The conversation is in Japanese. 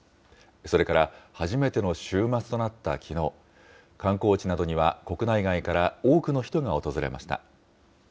それから初めての週末となったきのう、観光地などには国内外から多くの人が訪れました。